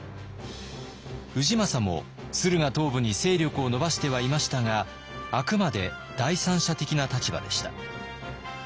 氏政も駿河東部に勢力を伸ばしてはいましたがあくまで第三者的な立場でした。